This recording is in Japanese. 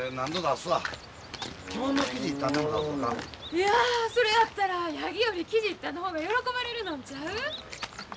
いやそれやったらヤギより生地１反の方が喜ばれるのんちゃう？